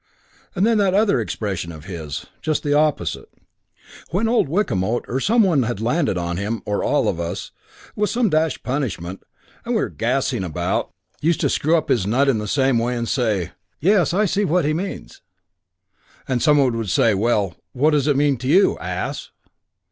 And then that other expression of his. Just the opposite. When old Wickamote or some one had landed him, or all of us, with some dashed punishment, and we were gassing about it, used to screw up his nut in the same way and say, 'Yes, but I see what he means.' And some one would say, 'Well, what does he mean, you ass?'